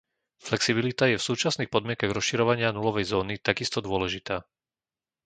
Flexibilita je v súčasných podmienkach rozširovania nulovej zóny takisto dôležitá.